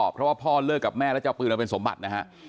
เพราะว่าพ่อเลิกกับแม่แล้วจะเอาปืนมาเป็นสมบัตินะฮะ